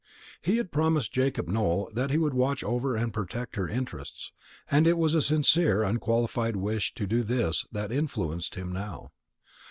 He had promised Jacob Nowell that he would watch over and protect her interests; and it was a sincere unqualified wish to do this that influenced him now.